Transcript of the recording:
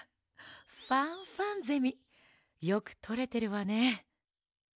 ファンファンゼミよくとれてるわね。